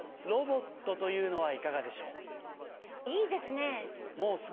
ロボットというのはいかがでしょう？